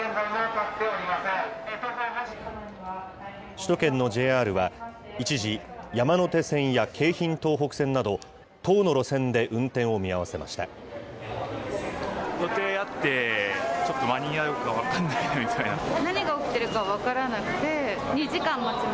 首都圏のＪＲは一時、山手線や京浜東北線など、１０の路線で運転を見合わせました。